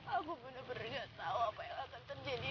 aku benar benar tahu apa yang akan terjadi